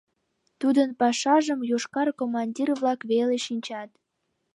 Тудын пашажым йошкар командир-влак веле шинчат.